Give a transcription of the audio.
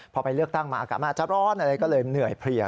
พอไปเลือกตั้งมาอากาศมันอาจจะร้อนอะไรก็เลยเหนื่อยเพลีย